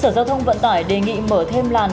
sở giao thông vận tải đề nghị mở thêm làn